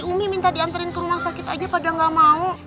si umi minta dianterin ke rumah sakit aja pada gak mau